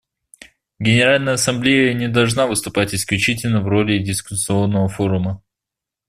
Генеральная Ассамблея не должна выступать исключительно в роли дискуссионного форума.